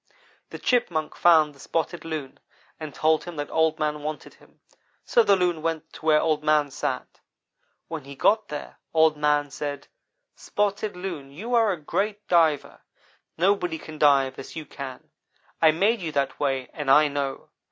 "The Chipmunk found the Spotted Loon and told him that Old man wanted him, so the Loon went to where Old man sat. When he got there, Old man said: "'Spotted Loon you are a great diver. Nobody can dive as you can. I made you that way and I know.